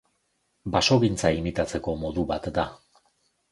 Basogintza imitatzeko modu bat da.